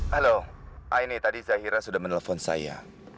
halo aini tadi zahira sudah menelpon saya